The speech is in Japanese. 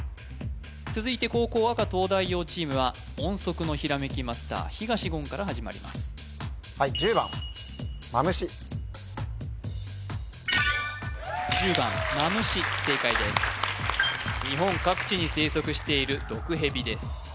続いて後攻赤東大王チームは音速のひらめきマスター東言から始まりますはい１０番マムシ正解です